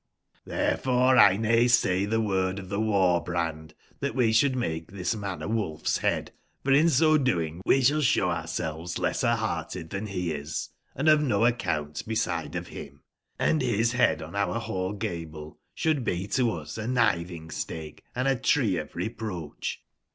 TTberefore X naysay tbe word of the Cdar/brand tbat we should make this man a wolf's/bead; for in so doing we shall show ourselves lesser/hearted than he is, & of no account beside of him ; and bis bead on our ball/gable shou Id be to us a nitbing/stake, and a tree of reproach.